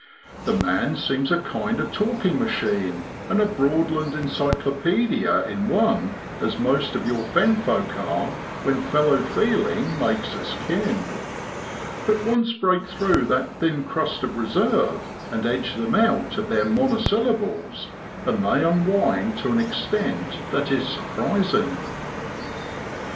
The man seems a kind of talking machine and a Broadland encyclopaedia in one, as most of your fen folk are when fellow feeling makes us kin. But once break through that thin crust of reserve, and edge them out of their monosyllables, and they unwind to an extent that is surprising.